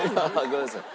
ごめんなさい。